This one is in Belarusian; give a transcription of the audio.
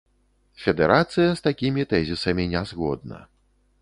Федэрацыя з такімі тэзісамі не згодна.